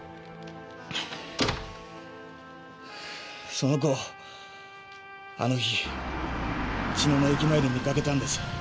その子をあの日茅野の駅前で見かけたんです。